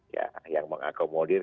ya yang mengakomodir